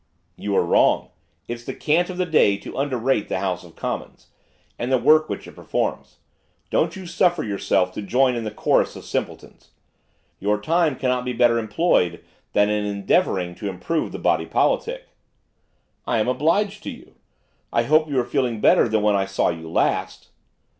'You are wrong. It's the cant of the day to underrate the House of Commons, and the work which it performs; don't you suffer yourself to join in the chorus of the simpletons. Your time cannot be better employed than in endeavouring to improve the body politic.' 'I am obliged to you. I hope you are feeling better than when I saw you last.